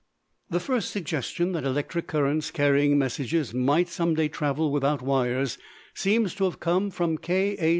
The first suggestion that electric currents carrying messages might some day travel without wires seems to have come from K.A.